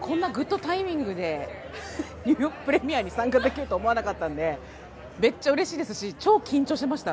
こんなグッドタイミングでニューヨークプレミアに参加できると思わなかったんで、めっちゃうれしいですし、ちょー緊張しました。